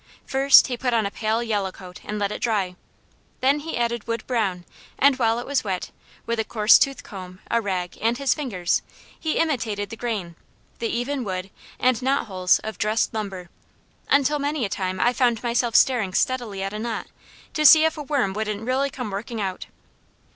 First, he put on a pale yellow coat and let it dry. Then he added wood brown, and while it was wet, with a coarse toothed comb, a rag, and his fingers, he imitated the grain, the even wood, and knotholes of dressed lumber, until many a time I found myself staring steadily at a knot to see if a worm wouldn't really come working out.